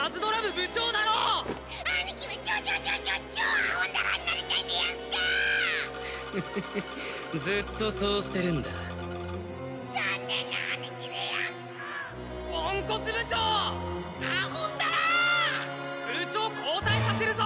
部長交代させるぞ！